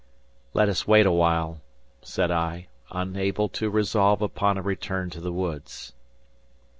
"Let us wait awhile," said I, unable to resolve upon a return to the woods.